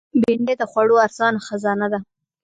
بېنډۍ د خوړو ارزانه خزانه ده